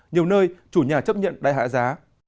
nhiều nơi chủ nhà chấp nhận đại hạ giá